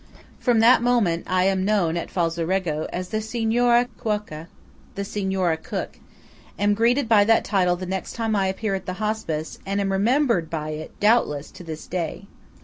From that moment I am known at Falzarego as the "Signora Cuoca" (the Signora Cook); am greeted by that title the next time I appear at the Hospice; and am remembered by it, doubtless, to this day.